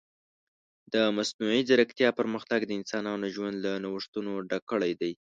د مصنوعي ځیرکتیا پرمختګ د انسانانو ژوند له نوښتونو ډک کړی دی.